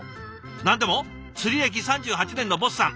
何でも釣り歴３８年のｂｏｓｓさん。